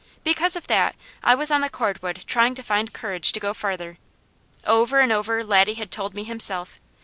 Because of that I was on the cordwood trying to find courage to go farther. Over and over Laddie had told me himself.